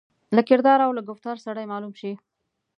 له کردار او له ګفتار سړای معلوم شي.